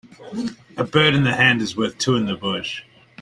A bird in the hand is worth two in the bush.